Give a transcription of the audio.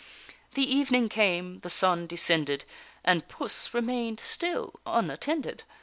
The evening came, the sun descended, And Puss remain'd still unattended.